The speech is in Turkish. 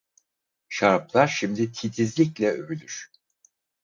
Şaraplar şimdi titizlikle övülür.